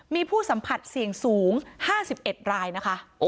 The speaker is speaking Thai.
มีผู้สัมผัสเสี่ยงสูง๕๑รายนะคะ